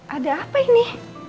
ada apa ini